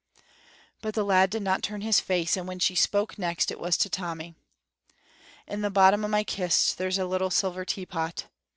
But the lad did not turn his face, and when she spoke next it was to Tommy. "In the bottom o' my kist there's a little silver teapot.